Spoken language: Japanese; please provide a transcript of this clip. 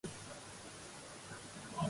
福島県相馬市